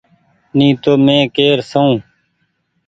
ني تو مين ڪير سئو۔